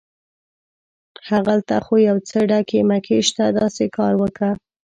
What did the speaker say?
هغلته خو یو څه ډکي مکي شته، داسې کار وکه.